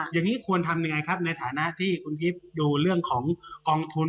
อย่างนี้ควรทำยังไงครับในฐานะที่คุณฮิปดูเรื่องของกองทุน